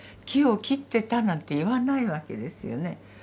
木を切ってたなんて言わないわけですよね。